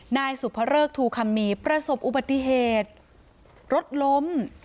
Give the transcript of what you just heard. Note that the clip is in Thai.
นายสุภเริกทูคัมมีประสบอุบัติเหตุรถล้ม